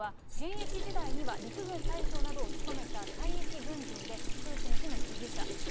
この人は現役時代には陸軍大将などを務めた退役軍人でプーチン氏の支持者。